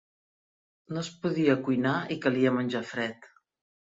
No es podia cuinar i calia menjar fred.